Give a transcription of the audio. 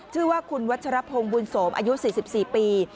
ชื่อว่าคุณวัชรพงศ์บุญสมอายุ๔๔ปี